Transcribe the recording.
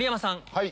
はい。